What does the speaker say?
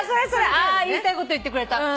あ言いたいこと言ってくれた。